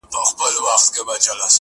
• دی مجبور دی شاته نه سي ګرځېدلای -